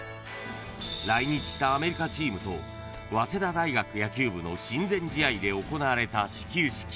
［来日したアメリカチームと早稲田大学野球部の親善試合で行われた始球式］